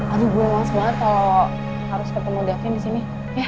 aduh gue malah semangat kalo harus ketemu davin disini